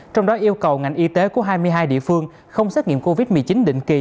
trong đó yêu cầu ngành y tế của hai mươi hai địa phương không xét nghiệm covid một mươi chín định kỳ